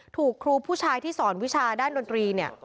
ถูกครูผู้ชายที่สอนวิชาด้านดนตรีเนี่ย